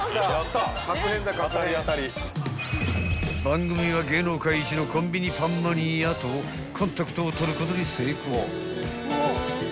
［番組は芸能界一のコンビニパンマニアとコンタクトを取ることに成功］